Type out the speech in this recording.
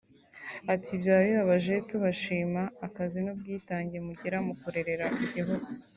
Ati “Byaba bibabaje tubashima akazi n’ubwitange mugira mu kurerera igihugu